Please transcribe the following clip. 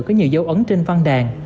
có nhiều dấu ấn trên văn đàn